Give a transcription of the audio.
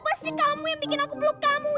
pasti kamu yang bikin aku peluk kamu iya kan